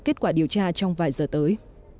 kết quả điều tra trong vài giờ tới